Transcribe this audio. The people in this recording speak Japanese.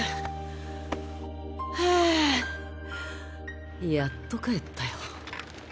はぁやっと帰ったよ。